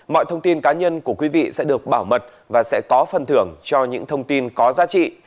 mọi thông tin cá nhân của quý vị sẽ được bảo mật và sẽ có phần thưởng cho những thông tin có giá trị